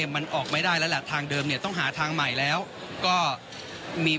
มันออกไม่ได้แล้วแหละทางเดิมเนี่ยต้องหาทางใหม่แล้วก็มี